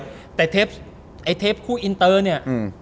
เฮ้ยแต่เทปไอ้เทปคู่อินเตอร์เนี่ย